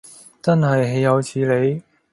真係豈有此理